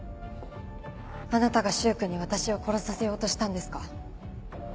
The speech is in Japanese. あなたが柊君に私を殺させようとしたんですか？